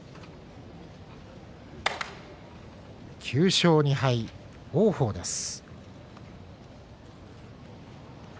９勝２敗、王鵬です。